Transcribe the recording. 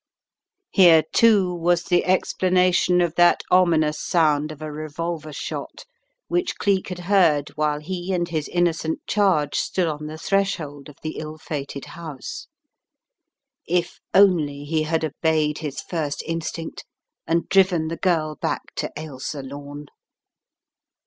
Here, too, was the explanation of that ominous 202 The Riddle of the Purple Emperor sound of a revolver shot which Cleek had heard while he and his innocent charge stood on the threshold of the ill fated house. If only he had obeyed his first instinct, and driven the girl back to Ailsa Lome!